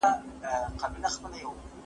راپور ولې ځنډېږي؟